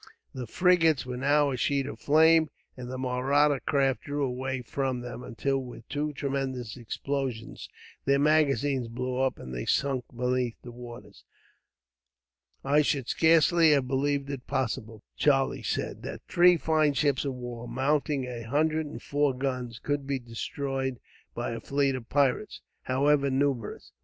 The frigates were now a sheet of flames, and the Mahratta craft drew away from them; until, with two tremendous explosions, their magazines blew up and they sank beneath the waters. "I should scarcely have believed it possible," Charlie said, "that three fine ships of war, mounting a hundred and four guns, could be destroyed by a fleet of pirates, however numerous.